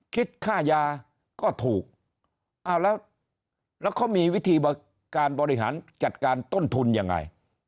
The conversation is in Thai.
คิดค่ายาก็ถูกอ้าวแล้วเขามีวิธีการบริหารจัดการต้นทุนยังไง